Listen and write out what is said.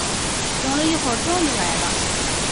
等了一会儿终于来了